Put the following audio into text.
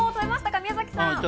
宮崎さん。